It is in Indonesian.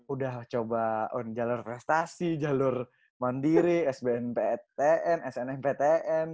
udah coba jalur prestasi jalur mandiri sbn ptn snmptn